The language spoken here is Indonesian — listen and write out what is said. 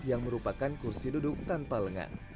yang merupakan kursi duduk tanpa lengan